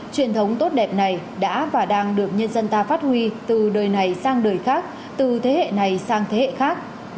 truyền thống tốt đẹp này đã và đang được nhân dân ta phát huy từ đời này sang đời khác từ thế hệ này sang thế hệ khác